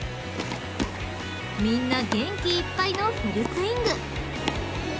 ［みんな元気いっぱいのフルスイング］